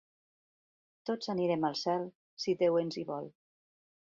Tots anirem al cel, si Déu ens hi vol.